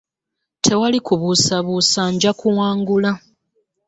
Tewali kubuusabuusa nja kuwangula.